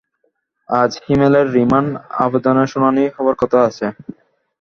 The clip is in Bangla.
আজ হিমেলের রিমান্ড আবেদনের শুনানি হওয়ার কথা আছে।